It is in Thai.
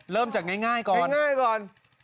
เริ่มจากง่ายก่อน